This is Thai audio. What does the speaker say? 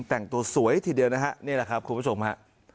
แต่งตัวสวยทีเดียวนะฮะนี่แหละครับคุณผู้ชมฮะ